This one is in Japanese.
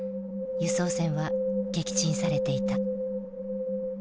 輸送船は撃沈されていた。